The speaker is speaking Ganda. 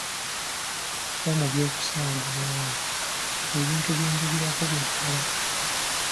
Vva mu by’okusaaga naawe ebintu byenjogerako bya ddala.